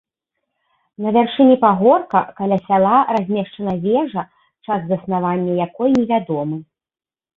На вяршыні пагорка, каля сяла размешчана вежа, час заснавання якой невядомы.